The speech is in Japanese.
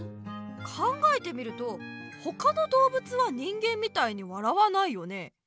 考えてみるとほかのどうぶつは人間みたいに笑わないよね。